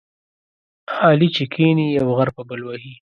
علي چې کېني، یو غر په بل وهي.